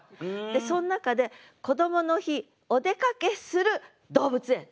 そん中で「こどもの日」「お出かけする」「動物園」